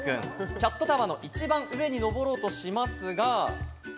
キャットタワーの一番上に登ろうとしますが。